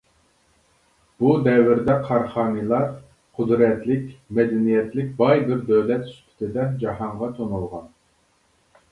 بۇ دەۋردە قاراخانىيلار قۇدرەتلىك ، مەدەنىيەتلىك باي بىر دۆلەت سۈپىتىدە جاھانغا تونۇلغان .